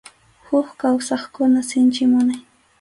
Huk kawsaqkuna sinchi munay.